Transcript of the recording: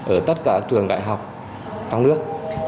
ở tất cả trường đại học trong nước